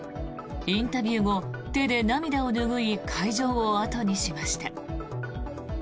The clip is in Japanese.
インタビュー後、手で涙を拭い会場を後にしました。